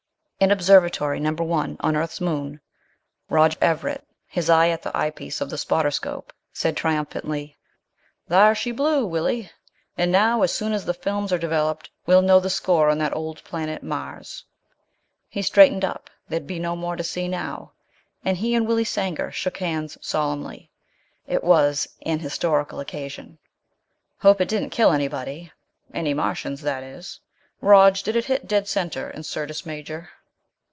In Observatory No. 1 on Earth's moon, Rog Everett, his eye at the eyepiece of the spotter scope, said triumphantly, "Thar she blew, Willie. And now, as soon as the films are developed, we'll know the score on that old planet Mars." He straightened up there'd be no more to see now and he and Willie Sanger shook hands solemnly. It was an historical occasion. "Hope it didn't kill anybody. Any Martians, that is. Rog, did it hit dead center in Syrtis Major?"